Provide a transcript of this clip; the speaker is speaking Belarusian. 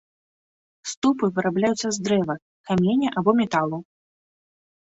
Ступы вырабляюцца з дрэва, каменя або металу.